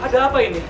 wah ada apa ini